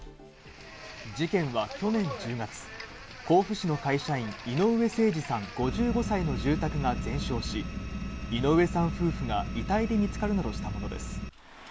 事件は去年１０月、甲府市の会社員・井上盛司さん５５歳の住宅が全焼し、井上さん夫婦が遺体で見つかるなどしたものです。